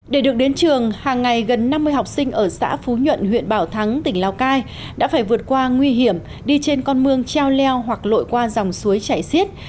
để được đến trường hàng ngày gần năm mươi học sinh ở xã phú nhuận huyện bảo thắng tỉnh lào cai đã phải vượt qua nguy hiểm đi trên con mương treo leo hoặc lội qua dòng suối chảy xiết